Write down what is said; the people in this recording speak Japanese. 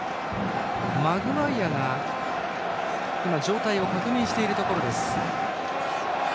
マグワイアが今状態を確認しているところです。